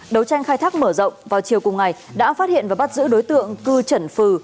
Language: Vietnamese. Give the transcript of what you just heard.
đấu tranh khai thác mở rộng vào chiều cùng ngày đã phát hiện và bắt giữ đối tượng cư trần phừ